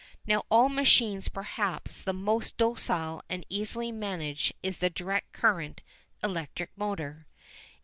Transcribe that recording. Now of all machines perhaps the most docile and easily managed is the direct current electric motor.